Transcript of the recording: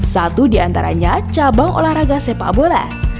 satu diantaranya cabang olahraga sepak bola